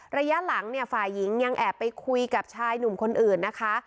ระยะหลังเนี่ยฝ่ายหญิงยังแอบไปคุยกับชายหนุ่มคนอื่นนะคะ